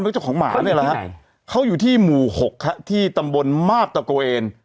เจ้าของหมานี่แหละฮะเขาอยู่ที่หมู่หกครับที่ตำบลมาบตะโกเอน